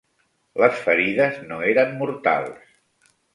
Les ferides no eren mortals.